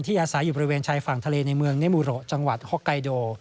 อาศัยอยู่บริเวณชายฝั่งทะเลในเมืองเนมูโรจังหวัดฮอกไกโด